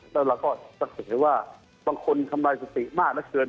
แล้วเราก็ตัดสินไว้ว่าบางคนทำรายสถิติมากและเกิน